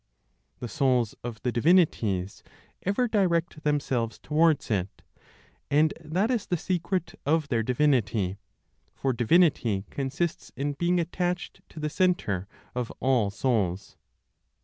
The souls of the divinities ever direct themselves towards it; and that is the secret of their divinity; for divinity consists in being attached to the Centre (of all souls).